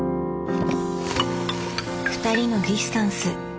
「ふたりのディスタンス」。